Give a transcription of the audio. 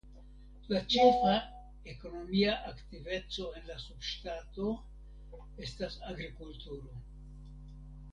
La ĉefa ekonomia aktiveco en la subŝtato estas agrikulturo.